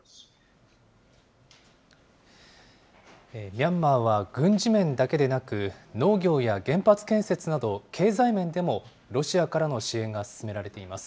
ミャンマーは、軍事面だけでなく、農業や原発建設など、経済面でもロシアからの支援が進められています。